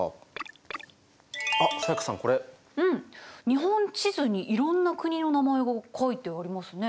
日本地図にいろんな国の名前が書いてありますね。